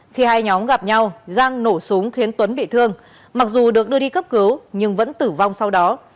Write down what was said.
khi hai nhóm gặp nhau giang nổ súng khiến tuấn bị thương mặc dù được đưa đi cấp cứu nhưng vẫn tử vong sau đó